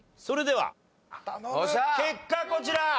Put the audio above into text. それでは結果こちら。